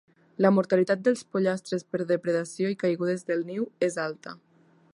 La mortalitat dels pollastres per depredació i caigudes del niu és alta.